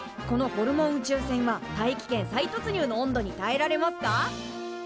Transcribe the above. このホルモン宇宙船は大気圏再突入の温度にたえられますか？